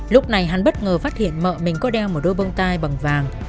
lúc này hắn bất ngờ phát hiện vợ mình có đeo một đôi bông tai bằng vàng